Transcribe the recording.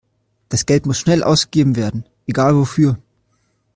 Das Geld muss schnell ausgegeben werden, egal wofür.